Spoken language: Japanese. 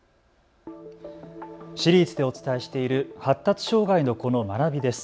シリーズでお伝えしている発達障害の子の学びです。